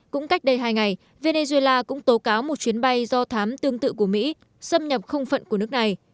cũng cách đây hai ngày venezuela cũng tố cáo một chuyến bay do thám tương tự của mỹ xâm nhập không phận của nước này